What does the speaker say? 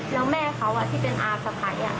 แล้วแม่เขาที่เป็นอาสะพัย